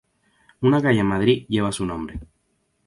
Una calle en Madrid lleva su nombre.